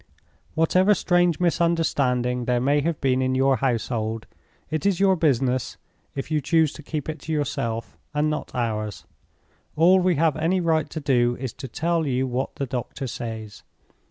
Whatever strange misunderstanding there may have been in your household, is your business (if you choose to keep it to yourself), and not ours. All we have any right to do is to tell you what the doctor says.